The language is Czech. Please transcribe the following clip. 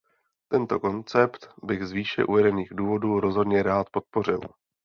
Tento koncept bych z výše uvedených důvodů rozhodně rád podpořil.